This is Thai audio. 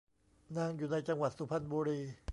นางอยู่ในจังหวัดสุพรรณบุรี